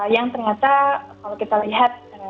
yang ternyata kalau kita lihat